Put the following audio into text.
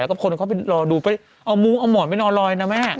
แล้วก็คนเข้าไปรอดูไปเอามุ้งเอาหมอนไปนอนลอยนะแม่